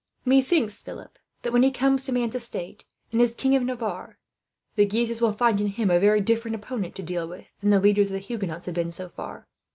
Methinks, Philip, that when he comes to man's estate, and is King of Navarre, the Guises will find in him a very different opponent to deal with than the leaders of the Huguenots have been so far.